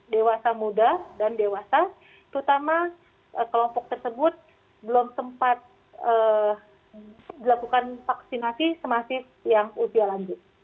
dewasa muda dan dewasa terutama kelompok tersebut belum sempat dilakukan vaksinasi semasif yang usia lanjut